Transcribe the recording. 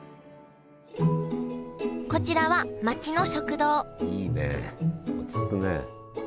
こちらは町の食堂いいね落ち着くね。